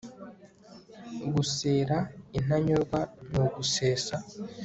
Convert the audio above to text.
gusera intanyurwa ni ugusesa